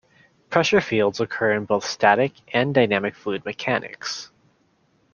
Pressure fields occur in both static and dynamic fluid mechanics.